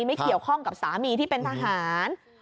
ไม่เกี่ยวข้องกับสามีที่เป็นทหาร